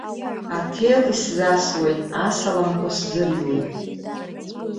Аҭел исзасуеит, асаламқәа сзырыҩуеит.